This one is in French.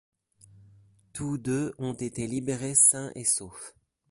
Tous deux ont été libérés sains et saufs.